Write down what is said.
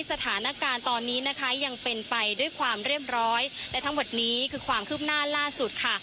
สถานการณ์ตอนนี้นะคะยังเป็นไปด้วยความเรียบร้อยและทั้งหมดนี้คือความคืบหน้าล่าสุดค่ะ